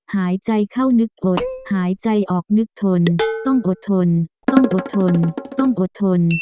หายใจเข้านึกอดหายใจออกนึกทนต้องอดทนต้องอดทนต้องอดทน